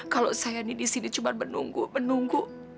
kalau saya ini di sini cuma menunggu menunggu